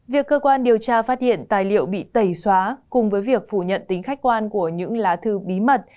việc cơ quan điều tra phát hiện tài liệu bị tẩy xóa cùng với việc phủ nhận tính khách quan của những lá thư bí mật